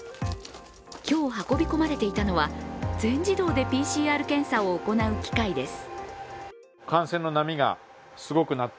今日運び込まれていたのは全自動でＰＣＲ検査を行う機械です。